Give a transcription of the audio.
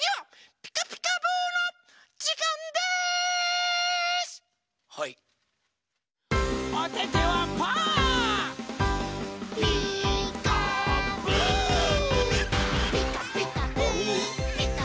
「ピカピカブ！ピカピカブ！」